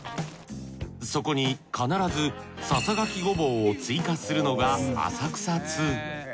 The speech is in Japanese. そこに必ずささがきごぼうを追加するのが浅草通。